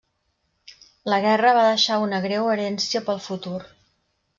La guerra va deixar una greu herència pel futur.